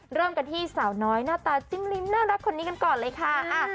เริ่มกันที่สาวน้อยหน้าตาจิ้มลิ้มน่ารักคนนี้กันก่อนเลยค่ะ